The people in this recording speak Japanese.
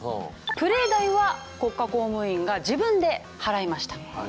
プレー代は国家公務員が自分で払いました。